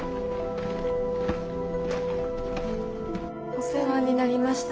お世話になりました。